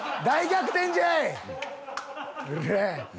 大逆転じゃい！